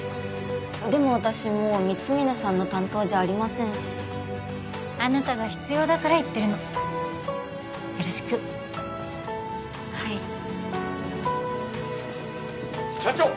でも私もう光峯さんの担当じゃありませんしあなたが必要だから言ってるのよろしくはい社長！